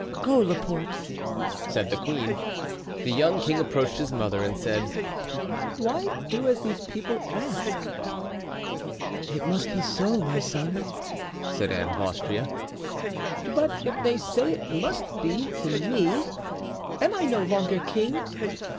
"Go, Laporte," said the queen. The young king approached his mother and said, "Why do as these people ask?" "It must be so, my son," said Anne of Austria. "But if they say, 'it must be' to me, am I no longer king?"